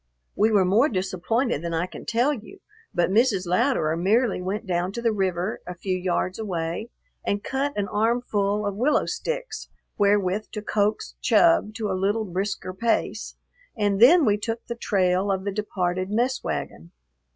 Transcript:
We were more disappointed than I can tell you, but Mrs. Louderer merely went down to the river, a few yards away, and cut an armful of willow sticks wherewith to coax Chub to a little brisker pace, and then we took the trail of the departed mess wagon.